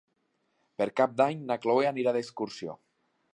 Per Cap d'Any na Cloè anirà d'excursió.